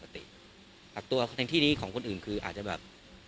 ส่วนแจ้งเราตัวไงครับไม่เอ่อผมต้องขอบอกก่อนนะครับ